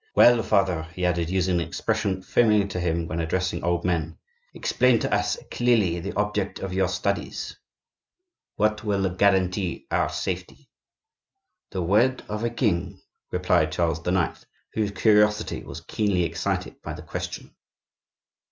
"Well, father," he added, using an expression familiar to him when addressing old men, "explain to us clearly the object of your studies." "What will guarantee our safety?" "The word of a king," replied Charles IX., whose curiosity was keenly excited by the question.